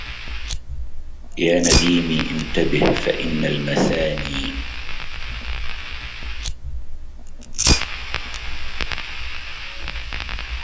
يا نديمي انتبه فإن المثاني